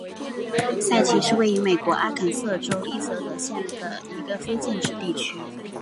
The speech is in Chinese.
塞奇是位于美国阿肯色州伊泽德县的一个非建制地区。